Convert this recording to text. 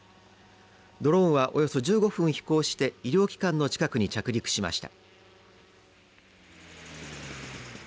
ドローンはおよそ１５分飛行して医療機関の近くに着陸しました。